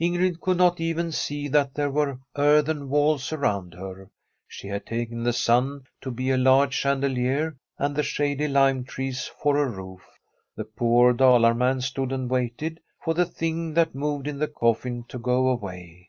Ingrid could not even see that there were earthen walls around her. She had taken the sun to be a large chandelier, and the shady lime trees for a roof. The poor Dalar man stood and waited for the thing that moved in the coffin to go away.